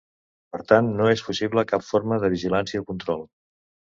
Per tant no és possible cap forma de vigilància o control.